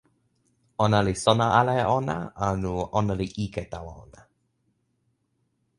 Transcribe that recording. ona li sona ala e ona, anu ona li ike tawa ona.